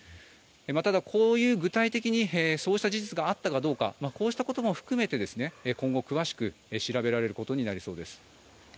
また、具体的にそうした事実があったかどうかも含めて今後、詳しく調べられることになりそうです。